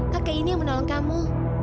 kakek ini yang menolong kamu